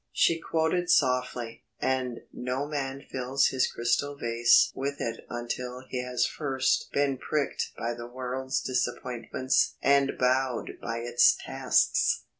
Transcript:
She quoted softly, "'And no man fills his crystal vase with it until he has first been pricked by the world's disappointments and bowed by its tasks.'"